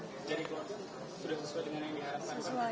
jadi keluarga sudah sesuai dengan ini ya